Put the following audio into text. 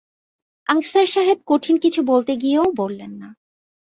আফসার সাহেব কঠিন কিছু বলতে গিয়েও বললেন না।